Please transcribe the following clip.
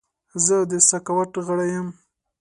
زه د سکاوټ غړی یم.